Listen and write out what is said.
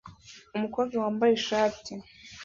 Umukobwa wambaye ishati